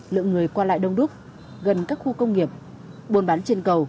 lượng người qua lại đông đúc gần các khu công nghiệp buôn bán trên cầu